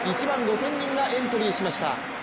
１万５０００人がエントリーしました。